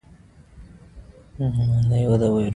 افغانستان د ګاونډیو تمدنونو اغېز لیدلی دی.